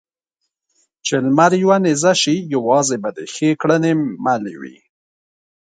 چې لمر يوه نېزه شي؛ يوازې به دې ښې کړنې ملې وي.